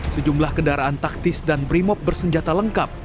sejumlah kendaraan taktis dan brimob bersenjata lengkap